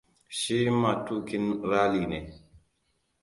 Shi matuƙin rally ne.